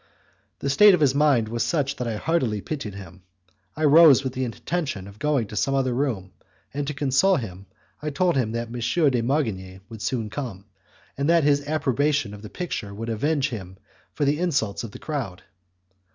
The state of his mind was such that I heartily pitied him; I rose with the intention of going to some other room, and to console him I told him that M. de Marigny would soon come, and that his approbation of the picture would avenge him for the insults of the crowd.